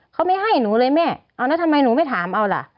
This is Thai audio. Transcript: เขาไม่ให้หนูเลยแม่เอาแล้วทำไมหนูไม่ถามเอาล่ะ